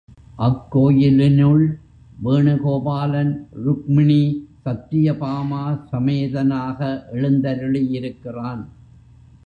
அக்கோயிலினுள் வேணுகோபாலன், ருக்மிணி சத்யபாமா சமேதனாக எழுந்தருளியிருக்கிறான்.